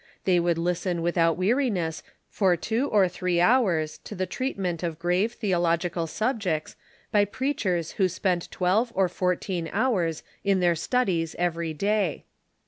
They would listen without weariness for two or three hours to the treatment of grave theological subjects by preachers who spent twelve or fourteen hours in their studies every day.